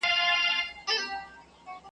د ولسواکۍ غوښتونکو جريان رامنځته کړ